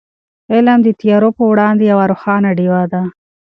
علم د تیارو په وړاندې یوه روښانه ډېوه ده.